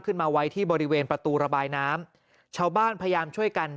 ไว้ที่บริเวณประตูระบายน้ำชาวบ้านพยายามช่วยกัน